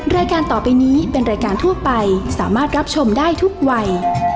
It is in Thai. รายการต่อไปนี้เป็นรายการทั่วไปสามารถรับชมได้ทุกวัย